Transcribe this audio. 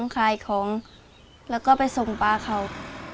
ขายของแล้วก็ไปส่งปลาเขา